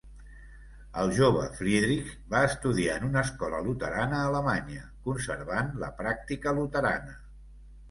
El jove Friedrich va estudiar en una escola luterana alemanya, conservant la pràctica luterana.